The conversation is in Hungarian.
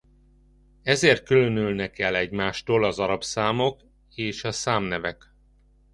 Ezért különülnek el egymástól az arab számok és a számnevek.